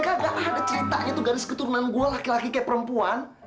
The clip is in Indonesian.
gak ada ceritanya itu garis keturunan gue laki laki kayak perempuan